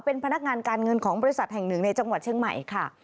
เป็นพนักงานการเงินของบริษัทแห่งหนึ่งในจังหวัดเชียงใหม่ค่ะ